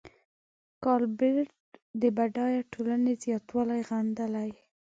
ګالبرېټ د بډایه ټولنې زیاتوالی غندلی.